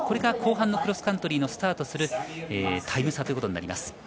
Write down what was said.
後半のクロスカントリーのスタートするタイム差になります。